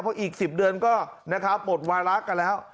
เพราะอีก๑๐เดือนก็ปลดวารักษ์กันแล้ว